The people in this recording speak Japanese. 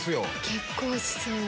結構しそう。